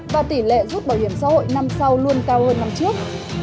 và tỷ lệ rút bảo hiểm xã hội năm sau luôn cao hơn năm trước